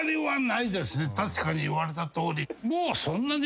確かに言われたとおり。